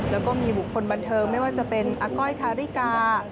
แล้วก็มีบุคคลบันเทิงไม่ว่าจะเป็นอาก้อยคาริกา